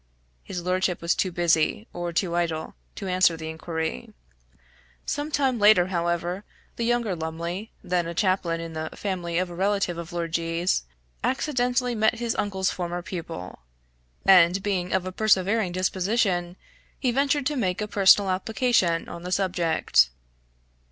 His lordship was too busy, or too idle, to answer the inquiry. Some time later, however, the younger Lumley, then a chaplain in the family of a relative of Lord G 's, accidentally met his uncle's former pupil, and being of a persevering disposition, he ventured to make a personal application on the subject.